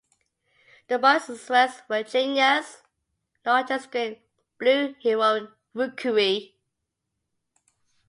The bar is West Virginia's largest great blue heron rookery.